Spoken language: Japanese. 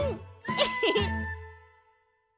エヘヘッ。